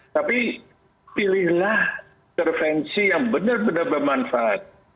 tapi pilihlah intervensi yang benar benar bermanfaat